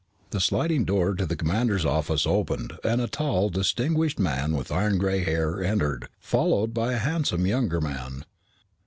The sliding door to the commander's office opened and a tall, distinguished man with iron gray hair entered, followed by a handsome, younger man.